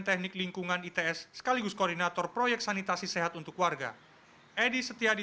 teknik lingkungan its sekaligus koordinator proyek sanitasi sehat untuk warga edi setiadi